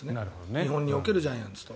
日本におけるジャイアンツと。